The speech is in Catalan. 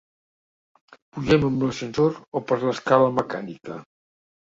Pugem amb l'ascensor o per l'escala mecànica?